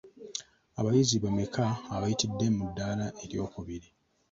Abayizi bameka abaayitidde mu ddaala eryokubiri?